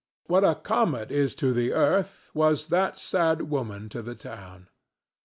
What a comet is to the earth was that sad woman to the town.